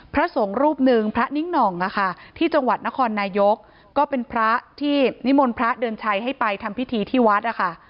พระสงฆ์รูปหนึ่งพระนิ้งหน่องที่จังหวัดนครนายกก็เป็นพระที่นิมนต์พระเดือนชัยให้ไปทำพิธีที่วัดนะคะ